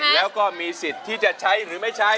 แล้วก็มีสิทธิ์ที่จะใช้หรือไม่ใช้